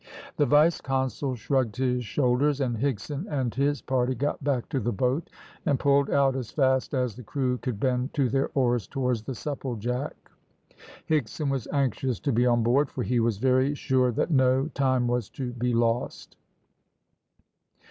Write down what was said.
The vice consul shrugged his shoulders, and Higson and his party got back to the boat and pulled out as fast as the crew could bend to their oars towards the Supplejack. Higson was anxious to be on board, for he was very sure that no time was to be lost.